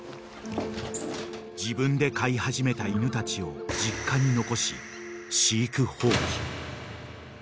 ［自分で飼い始めた犬たちを実家に残し］